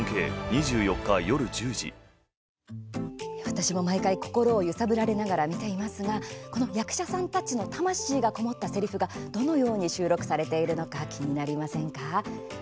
私も毎回心を揺さぶられながら見ていますがこの役者さんたちの魂が籠もったせりふがどのように収録されているのか気になりませんか？